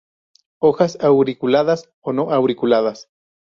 Hojas auriculadas, o no auriculadas.